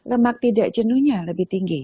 lemak tidak jenuhnya lebih tinggi